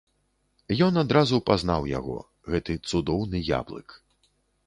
Ён адразу пазнаў яго, гэты цудоўны яблык.